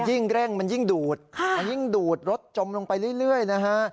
ยิ่งเร่งมันยิ่งดูดรถจมลงไปเรื่อยนะฮะ